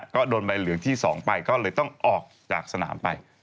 ก็โดนใบเหลืองที่๒ไปก็เลยต้องออกจากสนามไป